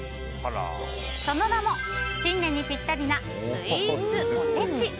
その名も、新年にピッタリなスイーツおせち。